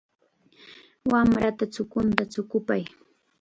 Wamrata chukunta chukupay.